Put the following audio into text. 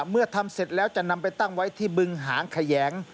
เมื่อทำเสร็จแล้วจะนำไปตั้งไว้ที่บึงหางแขยง